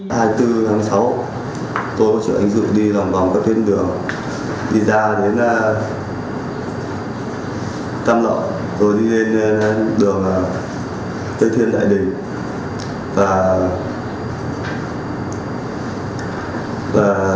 hai mươi bốn tháng sáu tôi và trưởng anh dự đi vòng vòng các tuyến đường đi ra đến tâm lộng tôi đi lên đường tây thiên đại đình